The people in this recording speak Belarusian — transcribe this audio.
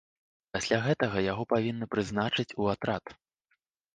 Пасля гэтага яго павінны прызначыць у атрад.